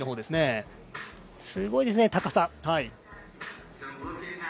すごいですね、高さ。